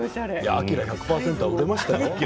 アキラ１００％は売れましたよ。